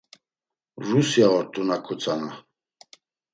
Rusya ort̆u naǩu tzana.